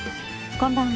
こんばんは。